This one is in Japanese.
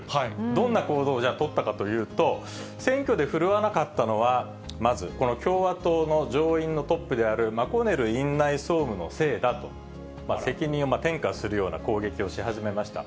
どんな行動をじゃあ取ったかというと、選挙で振るわなかったのは、まず、この共和党の上院のトップであるマコネル院内総務のせいだと、責任を転嫁するような攻撃をし始めました。